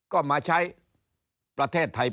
ก็มาใช้ประเทศไทย